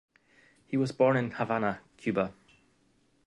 He was born in Havana, Cuba.